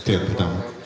itu yang pertama